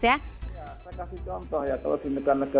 saya kasih contoh ya kalau di negara negara